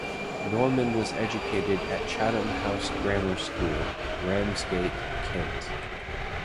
Norman was educated at Chatham House Grammar School, Ramsgate, Kent.